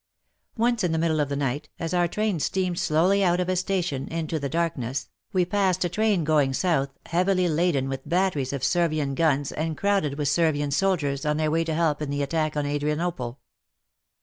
Once, in the middle of the night, as our train steamed slowly out of a station into the darkness, we passed a train going south, heavily laden with batteries of Servian guns and crowded with Servian soldiers on their way to help in the attack on Adrianople.